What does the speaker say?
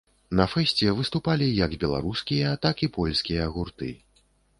На фэсце выступалі як беларускія, так і польскія гурты.